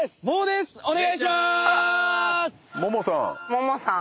ももさん。